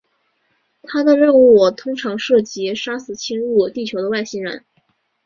他的任务通常涉及杀死侵入地球的外星人。